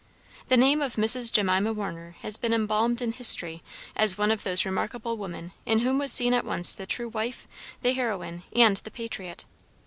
The name of Mrs. Jemima Warner has been embalmed in history as one of those remarkable women in whom was seen at once the true wife, the heroine, and the patriot.